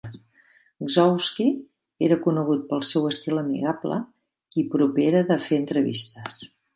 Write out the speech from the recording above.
Gzowski era conegut pel seu estil amigable i propera de fer entrevistes.